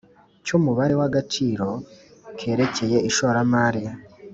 Cy umubare w agaciro kerekeye ishoramari